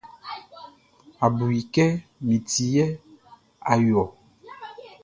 A bu i kɛ min ti yɛ a yo ɔ.